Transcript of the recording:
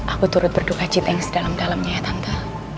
aku turut berduka cita yang sedalam dalamnya ya tante